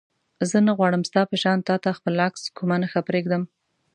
زه نه غواړم ستا په شان تا ته خپل عکس کومه نښه پرېږدم.